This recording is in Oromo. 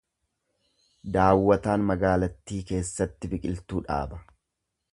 Daawwataan magaalattii keessatti biqiltuu dhaaba.